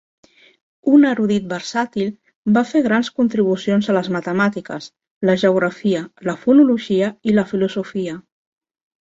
Un erudit versàtil, va fer grans contribucions a les matemàtiques, la geografia, la fonologia i la filosofia.